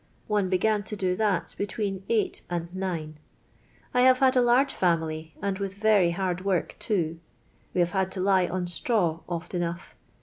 One began to do that between eight and nine. I have had a large family, and with very hard work too. We have had to lie on stnw oft enough.